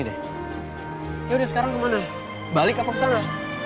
sekarang kemana balik apa ke sana